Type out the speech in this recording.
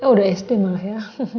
udah sd malah ya